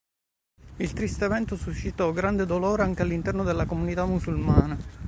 Il triste evento suscitò grande dolore anche all'interno della comunità musulmana.